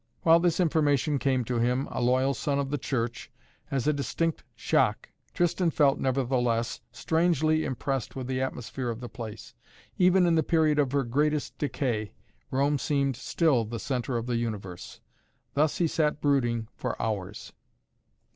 While this information came to him, a loyal son of the Church, as a distinct shock, Tristan felt, nevertheless, strangely impressed with the atmosphere of the place. Even in the period of her greatest decay, Rome seemed still the centre of the universe. Thus he sat brooding for hours.